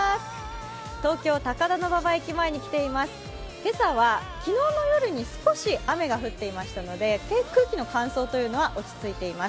今朝は昨日の夜に少し雨が降っていましたので空気の乾燥というのは落ち着いています。